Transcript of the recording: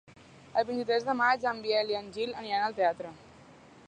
El vint-i-tres de maig en Biel i en Gil aniran al teatre.